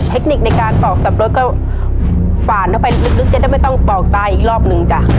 เทคนิคในการปอกสับปะรดก็ฝ่านเข้าไปลึกจะได้ไม่ต้องปอกตาอีกรอบหนึ่งจ้ะ